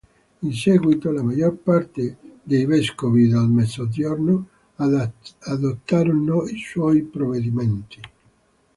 In seguito, la maggior parte dei vescovi del Mezzogiorno adottarono i suoi provvedimenti.